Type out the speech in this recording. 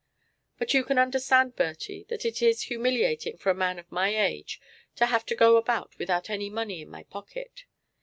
But you can understand, Bertie, that it is humiliating for a man of my age to have to go about without any money in my pocket.